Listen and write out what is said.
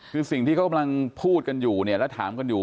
คือสิ่งที่เขากำลังพูดกันอยู่เนี่ยแล้วถามกันอยู่